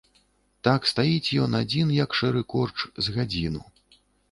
Так стаіць ён адзін, як шэры корч, з гадзіну.